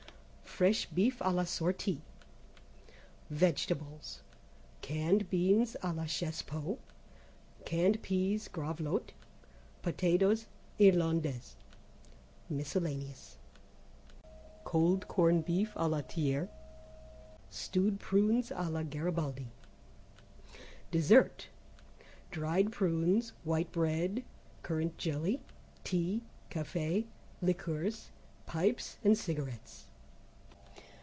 Fresh Beef à la sortie. Vegetables. Canned Beans à la chasse pot, Canned Peas Gravelotte, Potatoes Irlandaises, Miscellaneous. Cold Corned Beef à la Thieis, Stewed Prunes à la Garibaldi. Dessert. Dried prunes White bread, Currant Jelly, Tea Café, Liqueurs, Pipes and Cigarettes.